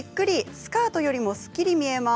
スカートよりもすっきり見えます。